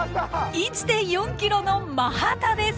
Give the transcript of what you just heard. １．４キロのマハタです！